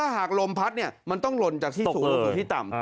หากลมพัดเนี่ยมันต้องลนจากที่สูงหรือที่ต่ำ